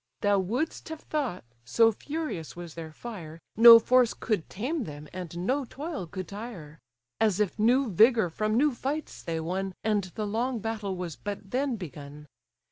Thou wouldst have thought, so furious was their fire, No force could tame them, and no toil could tire; As if new vigour from new fights they won, And the long battle was but then begun.